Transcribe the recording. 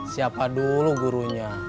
siapa dulu gurunya